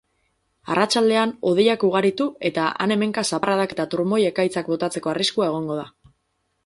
Arratsaldean hodeiak ugaritu eta han-hemenka zaparradak eta trumoi-ekaitzak botatzeko arriskua egongo da.